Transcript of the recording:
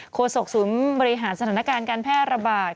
โศกศูนย์บริหารสถานการณ์การแพร่ระบาด